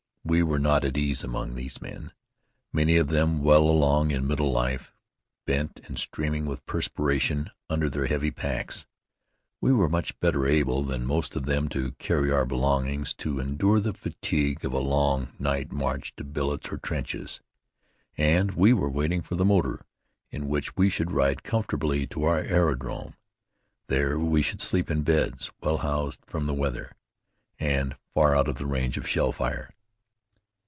We were not at ease among these men, many of them well along in middle life, bent and streaming with perspiration under their heavy packs. We were much better able than most of them to carry our belongings, to endure the fatigue of a long night march to billets or trenches; and we were waiting for the motor in which we should ride comfortably to our aerodrome. There we should sleep in beds, well housed from the weather, and far out of the range of shell fire.